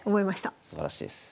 すばらしいです。